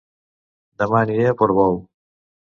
Dema aniré a Portbou